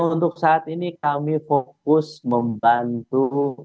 untuk saat ini kami fokus membantu